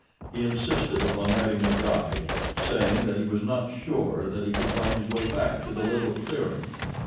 He insisted upon having a guide, saying that he was not sure that he could find his way back to the little clearing.